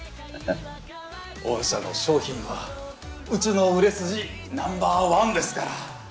御社の商品はうちの売れ筋ナンバーワンですから。